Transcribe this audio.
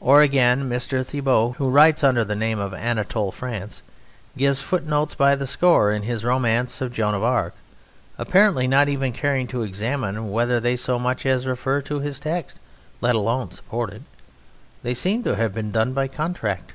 Or, again, M. Thibaut, who writes under the name of "Anatole France," gives footnotes by the score in his romance of Joan of Arc, apparently not even caring to examine whether they so much as refer to his text, let alone support it. They seem to have been done by contract.